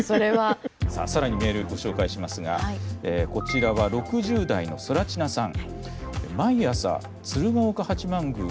さあ更にメールご紹介しますがこちらは６０代のソラチナさん。